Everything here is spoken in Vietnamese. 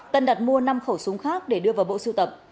tân đặt mua năm khẩu súng khác để đưa vào bộ siêu tập